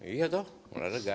iya dong malah lega